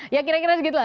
ya kira kira begitu lah